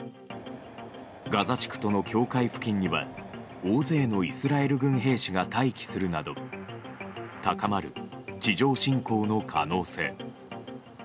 ガザ地区との境界付近には大勢のイスラエル軍兵士が待機するなど高まる地上侵攻の可能性。